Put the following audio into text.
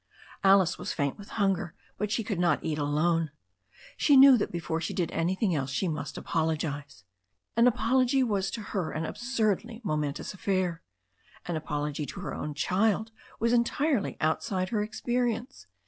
Alice was faint with hunger, but she could not eat alone. She knew that before she did an)rthing else she must apologize. An apology was to her an absurdly momentous affair. An apology to her own child was en tirely outside her experience.